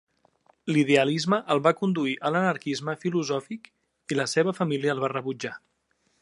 L'idealisme el va conduir a l'anarquisme filosòfic i la seva família el va rebutjar.